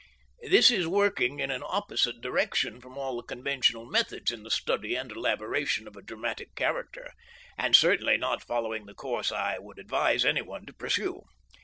This is working in an opposite direction from all the conventional methods in the study and elaboration of a dramatic character, and certainly not following the course I would advise any one to pursue.